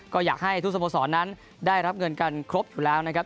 ก็อยากให้ทุกสโมสรนั้นได้รับเงินกันครบอยู่แล้วนะครับ